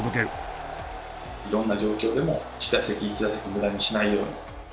どんな状況でも一打席一打席無駄にしないように。